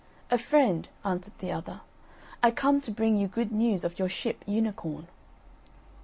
"A friend," answered the other; "I come to bring you good news of your ship Unicorn."